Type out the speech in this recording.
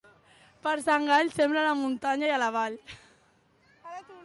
Per Sant Gall, sembra a la muntanya i a la vall.